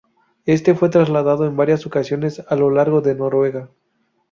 Este fue trasladado en varias ocasiones a lo largo de Noruega.